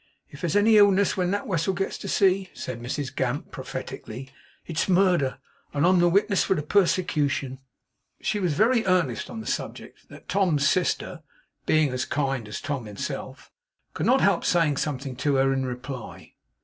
If there's any illness when that wessel gets to sea,' said Mrs Gamp, prophetically, 'it's murder, and I'm the witness for the persecution.' She was so very earnest on the subject, that Tom's sister (being as kind as Tom himself) could not help saying something to her in reply.